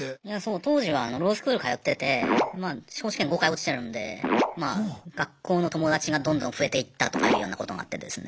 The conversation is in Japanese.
当時はロースクール通っててまあ司法試験５回落ちてるんで学校の友達がどんどん増えていったとかいうようなことがあってですね。